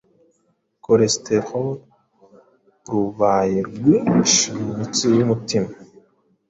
cholesterol rubaye rwinshi mu mitsi y’umutima,